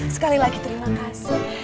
sekali lagi terima kasih